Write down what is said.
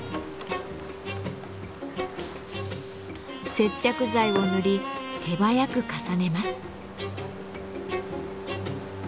接着剤を塗り手早く重ねます。